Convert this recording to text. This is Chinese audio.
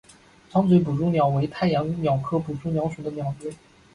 长嘴捕蛛鸟为太阳鸟科捕蛛鸟属的鸟类。